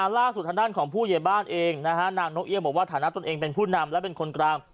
ล่าสุดทางด้านของผู้ใหญ่บ้านเองนะฮะนางนกเอี่ยงบอกว่าฐานะตนเองเป็นผู้นำและเป็นคนกลาง